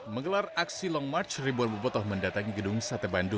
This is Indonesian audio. menggelar aksi long march ribuan bobotoh mendatangi gedung sate bandung